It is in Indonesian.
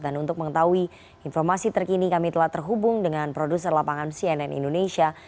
dan untuk mengetahui informasi terkini kami telah terhubung dengan produser lapangan cnn indonesia